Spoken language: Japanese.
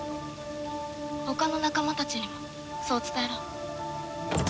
他の仲間たちにもそう伝えろ。